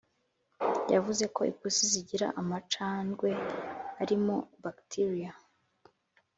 yavuze ko ipusi zigira amacandwe arimo bacteria